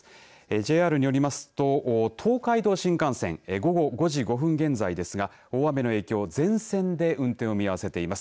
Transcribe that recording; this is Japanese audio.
ＪＲによりますと東海道新幹線午後５時５分現在ですが大雨の影響で全線で運転を見合わせています。